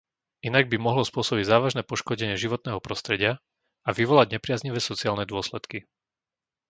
Inak by mohlo spôsobiť závažné poškodenie životného prostredia a vyvolať nepriaznivé sociálne dôsledky.